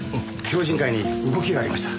侠仁会に動きがありました。